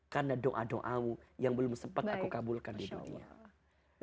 karena doa doamu yang belum sempat aku kabulkan di dunia